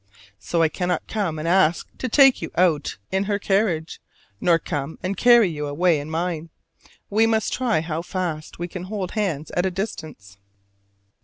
So I cannot come and ask to take you out in her carriage, nor come and carry you away in mine. We must try how fast we can hold hands at a distance.